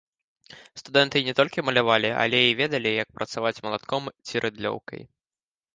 Студэнты не толькі малявалі, але і ведалі, як працаваць малатком ці рыдлёўкай.